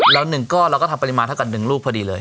แล้วหนึ่งก้อนเราก็ทำปริมาณเท่ากันหนึ่งลูกพอดีเลย